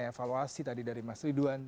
evaluasi tadi dari mas ridwan